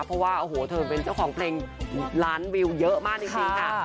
เพราะว่าโอ้โหเธอเป็นเจ้าของเพลงล้านวิวเยอะมากจริงค่ะ